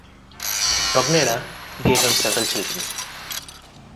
Rogneda gave him several children.